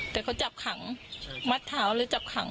แต่เขาจับขังมัดเท้าหรือจับขัง